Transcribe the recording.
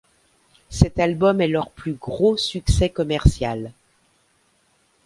Cet album est leur plus gros succès commercial.